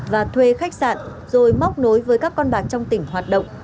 và thuê khách sạn rồi móc nối với các con bạc trong tỉnh hoạt động